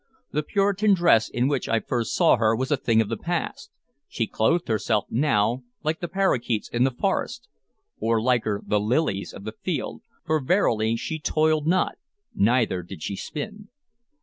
The Puritan dress in which I first saw her was a thing of the past; she clothed herself now like the parrakeets in the forest, or liker the lilies of the field, for verily she toiled not, neither did she spin.